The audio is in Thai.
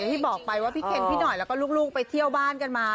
ที่บอกไปว่าพี่เคนพี่หน่อยแล้วก็ลูกไปเที่ยวบ้านกันมา